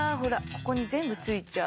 ここに全部ついちゃう